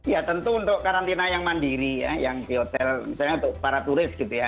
ya tentu untuk karantina yang mandiri misalnya untuk para turis gitu ya